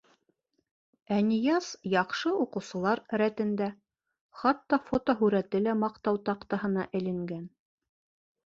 Ә Нияз яҡшы уҡыусылар рәтендә, хатта фотоһүрәте лә Маҡтау таҡтаһына эленгән.